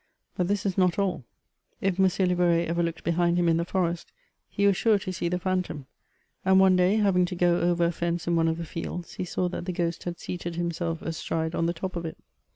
Bat this is not all : if M. livoret ever looked behind him in the forest, he was sure to see the phantom ; and one day, having to go over a fence in one of the fields, he saw that the ghost had seated himself astride on the top of it.